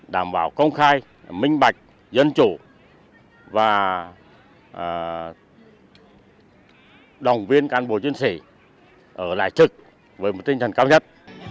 đảm bảo công khai minh bạch dân chủ và động viên cán bộ chiến sĩ ở lại trực với một tinh thần cao nhất